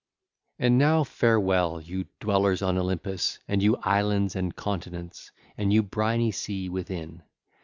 (ll. 963 968) And now farewell, you dwellers on Olympus and you islands and continents and thou briny sea within.